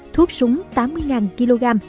thuốc súng tám mươi kg